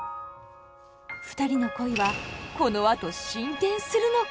ふたりの恋はこのあと進展するのか。